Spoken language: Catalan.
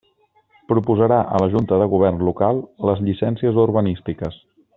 Proposarà a la Junta de Govern Local les llicències urbanístiques.